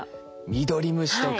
ミドリムシとか。